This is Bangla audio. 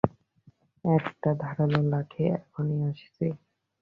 একটা ধারালো লাঠি, এখনই আসছি।